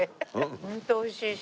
ホントおいしいし。